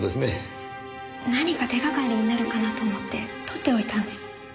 何か手がかりになるかなと思って取っておいたんです。